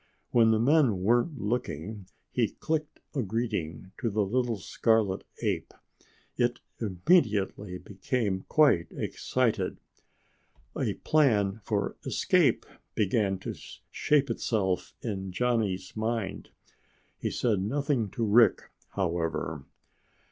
When the men weren't looking, he clicked a greeting to the little scarlet ape. It immediately became quite excited. A plan for escape began to shape itself in Johnny's mind. He said nothing to Rick, however.